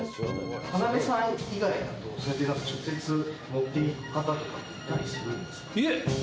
田辺さん以外だとそうやって直接持っていく方とかっていたりするんですか？